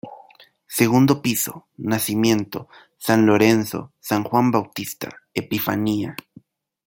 Segundo piso: Nacimiento, San Lorenzo, San Juan Bautista, Epifanía.